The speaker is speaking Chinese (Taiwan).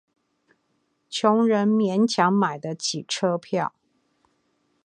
窮人勉強買得起車票